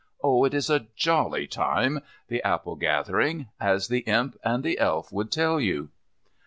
Oh, it is a jolly time, the apple gathering, as the Imp and the Elf would tell you.